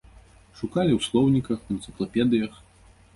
Шукалі ў слоўніках, у энцыклапедыях.